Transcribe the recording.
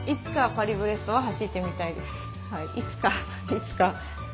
いつかいつか。